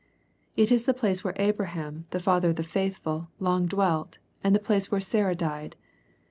It is the place where Abraham, the father of the faithful, long dwelt, and the place where Sarah died.